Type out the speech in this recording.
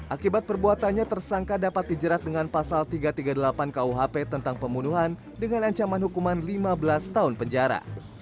akibat perbuatannya tersangka dapat dijerat dengan pasal tiga ratus tiga puluh delapan kuhp tentang pembunuhan dengan ancaman hukuman lima belas tahun penjara